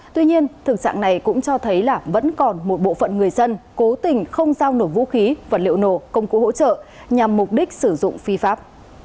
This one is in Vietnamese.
tuy nhiên thực trạng này cũng cho thấy là vẫn còn một bộ phận người dân cố tình không giao nổ vũ khí vật liệu nổ công cụ hỗ trợ nhằm mục đích sử dụng phi pháp